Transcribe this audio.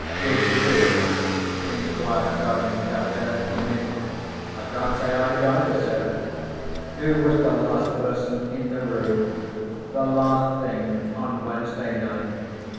"Did you?" inquired Sergeant Cuff, turning to me. "I can't say I did either, sir." "Who was the last person in the room, the last thing on Wednesday night?"